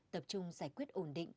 tập trung giải quyết ổn định